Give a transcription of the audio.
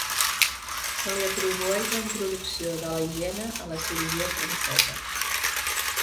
Se li atribueix la introducció de la higiene a la cirurgia francesa.